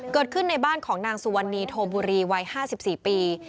เกิดขึ้นในบ้านของนางสุวรรณีโทบุรีวัย๕๔ปี